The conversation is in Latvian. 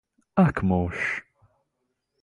Ak mūžs!